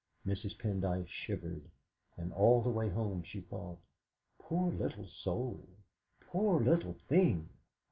Mrs. Pendyce shivered, and all the way home she thought: 'Poor little soul poor little thing!'